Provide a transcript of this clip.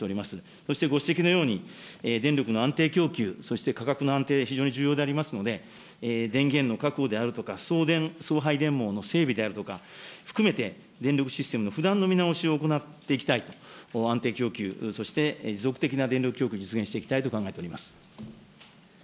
そしてご指摘のように、電力の安定供給、そして、価格の安定は非常に重要でありますので、電源の確保であるとか、送電、送配電網の整備であるとか、含めて、電力システムの不断の見直しを行っていきたいと、安定供給、そして、持続的な電力供給を実現していきたいと思っております。